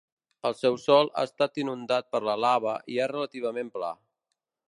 El seu sòl ha estat inundat per la lava i és relativament pla.